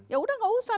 ya udah nggak usah